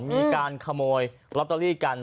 มีการขโมยลอตเตอรี่กัน